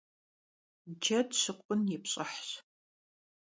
Ced şıkhun yi pş'ıhş.